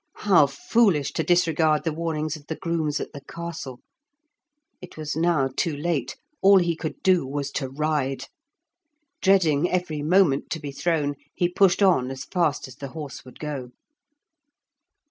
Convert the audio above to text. How foolish to disregard the warnings of the grooms at the castle! It was now too late; all he could do was to ride. Dreading every moment to be thrown, he pushed on as fast as the horse would go.